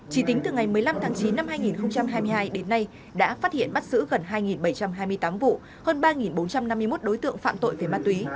chỉ tính từ ngày một mươi năm tháng chín năm hai nghìn hai mươi hai đến nay đã phát hiện bắt giữ gần hai bảy trăm hai mươi tám vụ hơn ba bốn trăm năm mươi một đối tượng phạm tội về ma túy